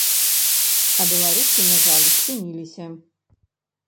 А беларусы, на жаль, спыніліся.